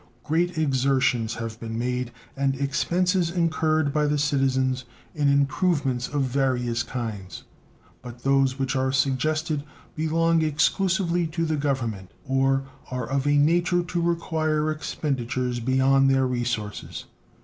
Great exertions have been made and expenses incurred by the citizens in improvements of various kinds; but those which are suggested belong exclusively to the Government, or are of a nature to require expenditures beyond their resources.